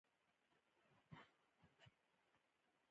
افغانستان کې د کوچیانو په اړه زده کړه کېږي.